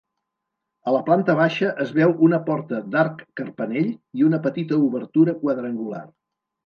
A la planta baixa es veu una porta d'arc carpanell i una petita obertura quadrangular.